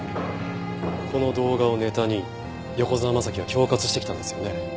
この動画をネタに横沢征は恐喝してきたんですよね？